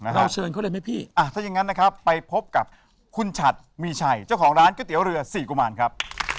เราเชิญเขาเลยไหมพี่ถ้าอย่างนั้นนะครับไปพบกับคุณฉัดมีชัยเจ้าของร้านก๋วยเตี๋ยวเรือสี่กุมารครับ